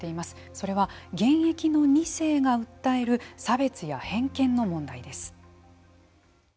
それは現役の２世が訴える差別や偏見の問題です。